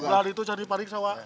hal itu cari pariksa wak